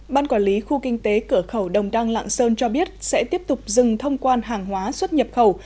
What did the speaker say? ban quản lý khu kinh tế cửa khẩu đồng đăng lạng sơn cho biết sẽ tiếp tục dừng thông quan hàng hóa xuất nhập khẩu